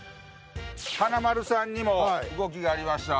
華丸さんにも動きがありました。